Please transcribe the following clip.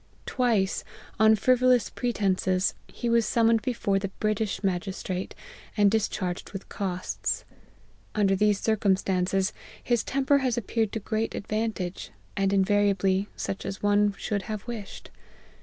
Twice, on frivolous pretences, he was summoned before the British magistrate, and discharged with costs. Under these circumstances, his temper has appear ed to great advantage, and invariably, such as one should have wished.